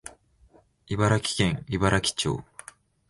茨城県茨城町